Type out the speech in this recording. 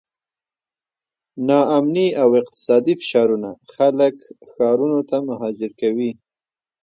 ناامني او اقتصادي فشارونه خلک ښارونو ته مهاجر کوي.